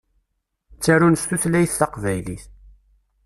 Ttarun s tutlayt taqbaylit.